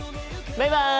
バイバイ。